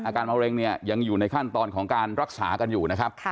อาการมะเร็งเนี่ยยังอยู่ในขั้นตอนของการรักษากันอยู่นะครับ